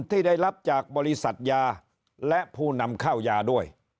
ที่ได้รับจากบริษัทยาและผู้นำเข้ายาด้วย